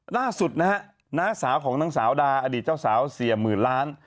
ล่าสุดนะฮะน้าสาวของนางสาวดาอดีตเจ้าสาวเสียหมื่นล้าน